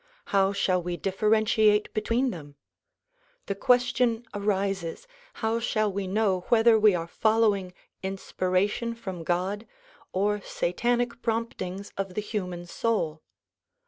How shall we differentiate between them? The question arises, How shall we know whether we are following in spiration from God or satanic promptings of the human soul?